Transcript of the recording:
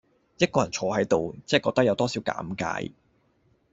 一個人坐喺度，真係覺得有多少尷尬